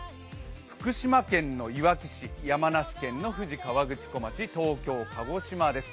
福島県のいわき市、山梨県の富士河口湖町、東京、鹿児島です。